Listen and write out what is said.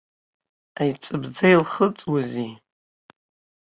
Аиҵыбӡа илхыҵуазеи?